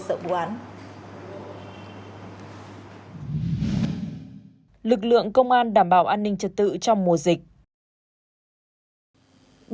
lực lượng công an đảm bảo an ninh trật tự trong mùa dịch